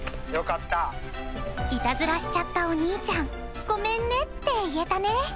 イタズラしちゃったお兄ちゃん「ごめんね」って言えたね。